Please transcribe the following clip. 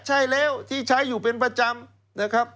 ใช่แล้ที่ใช้อยู่เป็นประจำ